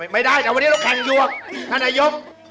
ไม่ได้แต่วันนี้ต้องขันยวกท่านอยก